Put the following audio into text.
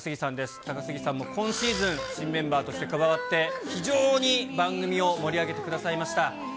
高杉さんも今シーズン、新メンバーとして加わって、非常に番組を盛り上げてくださいました。